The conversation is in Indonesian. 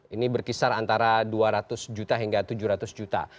ini berkisar antara dua ratus juta hingga tujuh ratus juta